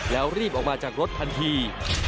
แล้วรีบออกมาจากรถทันที